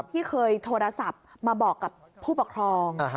ที่เคยโทรศัพท์มาบอกกับผู้ปกครอง